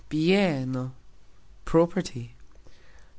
bieno : property.